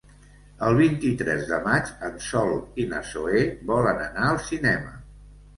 El vint-i-tres de maig en Sol i na Zoè volen anar al cinema.